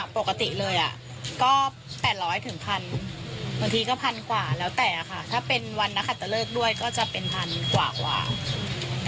ก็เรียนทุกท่านไว้ด้วยนะครับ